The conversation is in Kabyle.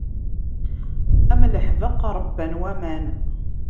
Am leḥbeq ṛebban waman.